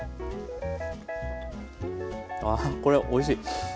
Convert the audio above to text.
ああこれおいしい！